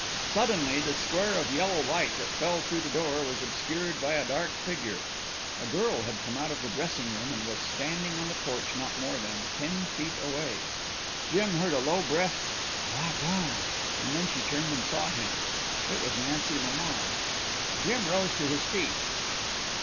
Suddenly the square of yellow light that fell through the door was obscured by a dark figure. A girl had come out of the dressing room and was standing on the porch not more than ten feet away. Jim heard a low breathed "doggone" and then she turned and saw him. It was Nancy Lamar. Jim rose to his feet.